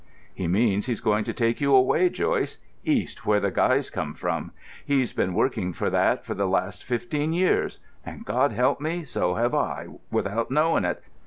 "He means he's going to take you away, Joyce—East, where the guys come from. He's been working for that the last fifteen years—and, God help me!—so have I, without knowin' it.